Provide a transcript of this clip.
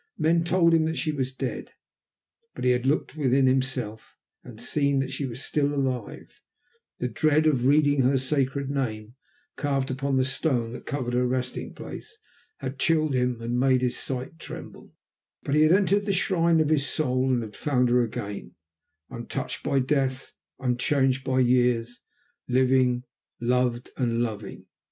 Men had told him that she was dead, but he had looked within himself and had seen that she was still alive; the dread of reading her sacred name carved upon the stone that covered her resting place, had chilled him and made his sight tremble, but he had entered the shrine of his soul and had found her again, untouched by death, unchanged by years, living, loved, and loving.